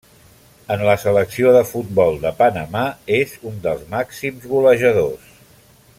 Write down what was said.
En la selecció de futbol de Panamà és un dels màxims golejadors.